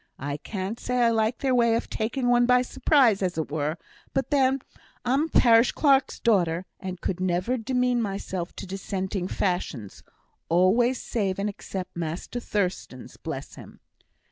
I can't say I like their way of taking one by surprise, as it were; but then I'm a parish clerk's daughter, and could never demean myself to dissenting fashions, always save and except Master Thurstan's, bless him.